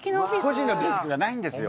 個人のデスクがないんですよ。